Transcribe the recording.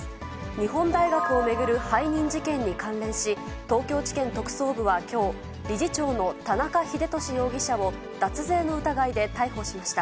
日本大学を巡る背任事件に関連し、東京地検特捜部はきょう、理事長の田中英壽容疑者を脱税の疑いで逮捕しました。